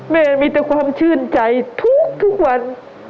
แม่มีแต่ความชื่นใจทุกวัน